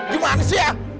gimana sih ya